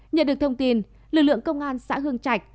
nhận được thông tin lực lượng công an xã hương trạch